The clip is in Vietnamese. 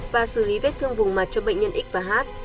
và xử lý vết thương vùng mặt cho bệnh nhân x và h